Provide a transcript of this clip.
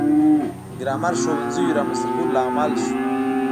د ګرامر ښوونځیو رامنځته کولو لامل شو.